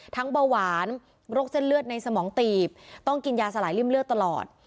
เบาหวานโรคเส้นเลือดในสมองตีบต้องกินยาสลายริ่มเลือดตลอด